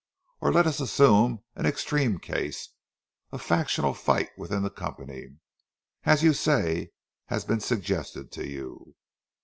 Or, let us assume an extreme case—a factional fight within the company, as you say has been suggested to you.